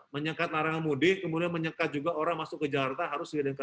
menyekat narang mudik kemudian menyekat juga orang masuk ke jakarta harus diadakan tentuan